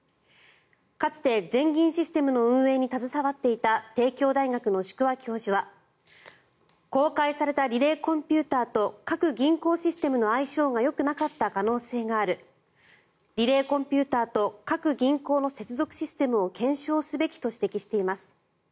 かつて全銀システムの運営に携わっていた帝京大学の宿輪教授は更改されたリレーコンピューターと各銀行システムの相性がよくなかった可能性がありリレーコンピューターと各銀行の接続システムを検証すべきと指摘しています。